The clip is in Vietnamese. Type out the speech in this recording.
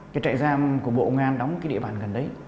cái trại giam của bộ ngoan đóng cái địa bàn gần đấy